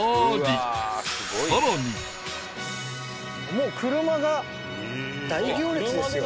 もう車が大行列ですよ。